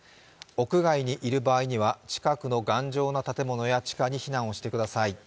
屋外にいる場合には近くの頑丈な建物や地下に避難してください。